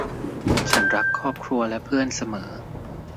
ฉันรักครอบครัวและเพื่อนเสมอ